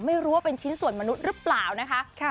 ไม่รู้ว่าเป็นชิ้นส่วนมนุษย์หรือเปล่านะคะ